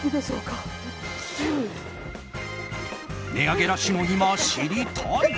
値上げラッシュの今知りたい！